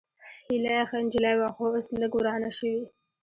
هېلۍ ښه نجلۍ وه، خو اوس لږ ورانه شوې